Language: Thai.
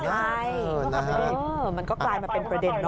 ใช่มันก็กลายมาเป็นประเด็นเน